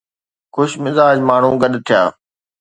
خوش مزاج ماڻهو گڏ ٿيا.